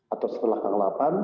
atau setelah tanggal delapan